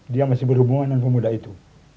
dia masih berhubungan dengan pemuda itu